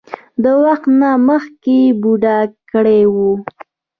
د وخت نه مخکښې بوډا کړے وۀ ـ